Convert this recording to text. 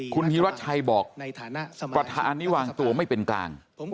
คุณฮิวัชชัยบอกวัฒานี้วางตัวไม่เป็นกลาง